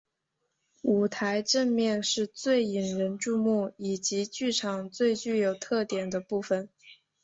舞台正面是最引人注目以及剧场最具有特点的部分。